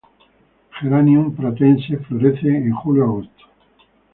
Geranium pratense florece en julio-agosto.